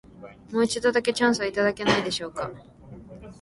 もう一度だけ、チャンスをいただけないでしょうか。